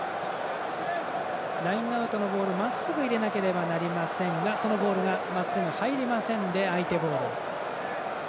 ラインアウトのボールまっすぐ入れなければいけませんがそのボールがまっすぐ入りませんで相手ボール。